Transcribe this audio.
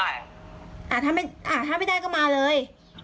ถ้าไม่ได้ก็มาเลย